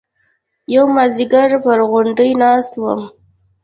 يو مازديگر پر غونډۍ ناست وم.